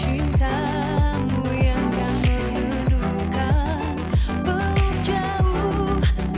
itu dia tadi lagunya udah jadi